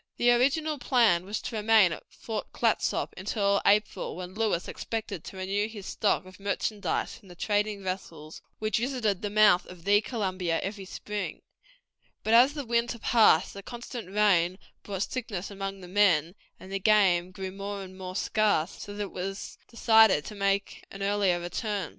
The original plan was to remain at Fort Clatsop until April, when Lewis expected to renew his stock of merchandise from the trading vessels, which visited the mouth of the Columbia every spring; but as the winter passed the constant rain brought sickness among the men, and game grew more and more scarce, so that it was decided to make an earlier return.